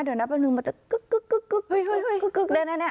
เดี๋ยวน้ำมือมันจะคิ๊กร้ายนะเนี่ย